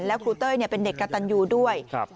แล้วครูเต้ยเนี่ยเป็นเด็กกระตันยูด้วยครับ